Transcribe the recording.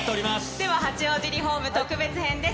では、八王子リホーム特別編です。